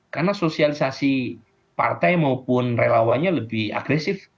karena sosialisasi partai maupun relawannya lebih agresif